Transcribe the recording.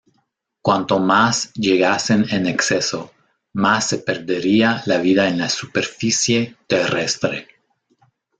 Cuanto más llegasen en exceso, más se perdería la vida en la superficie terrestre.